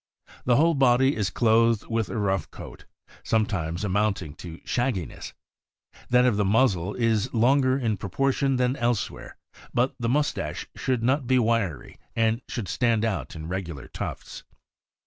The whole body is clothed with a rough coat, sometimes amounting to shag giness; that of the muzzle is longer in proportion than else where; but the mustache should not be wiry, and should stand out in regular tufts.